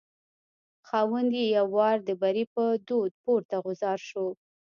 خاوند یې یو وار د بري په دود پورته غورځار شو.